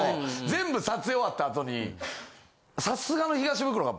全部撮影終わった後にさすがの。